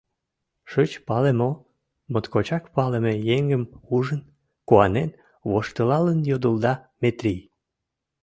— Шыч пале мо? — моткочак палыме еҥым ужын, куанен, воштылалын йодылда Метрий.